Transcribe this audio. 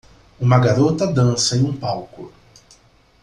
Uma garota dança em um palco.